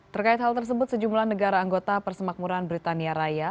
terkait hal tersebut sejumlah negara anggota persemakmuran britania raya